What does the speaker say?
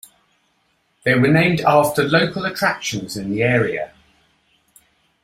They were named after local attractions in the area.